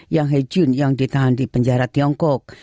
yang he jun yang ditahan di penjara tiongkok